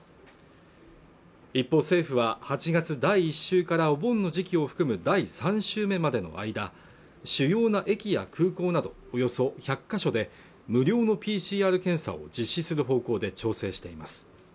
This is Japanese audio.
一方政府は８月第１週からお盆の時期を含む第３週目までの間主要な駅や空港などおよそ１００か所で無料のＰＣＲ検査を実施する方向で調整しています